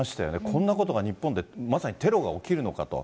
こんなことが日本で、まさにテロが起きるのかと。